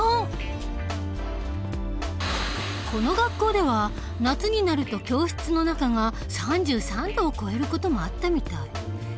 この学校では夏になると教室の中が３３度を超える事もあったみたい。